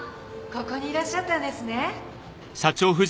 ここにいらっしゃったんですね。